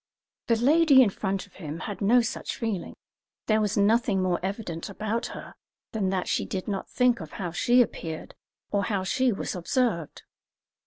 The lady in front of him had no such feeling; there was nothing more evident about her than that she did not think of how she appeared or how she was observed.